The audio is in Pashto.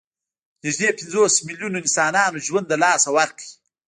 نږدې پنځوس میلیونو انسانانو ژوند له لاسه ورکړ.